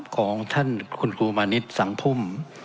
ของท่านคุณครูมานิดสังพุ่ม